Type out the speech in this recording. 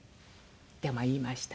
でまあ言いました。